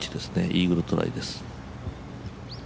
イーグルトライです。